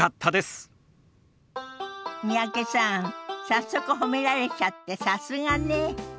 早速褒められちゃってさすがね。